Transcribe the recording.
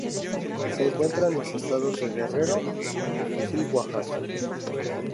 Se encuentra en los estados de Guerrero y Oaxaca.